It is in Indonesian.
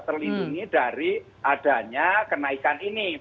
terlindungi dari adanya kenaikan ini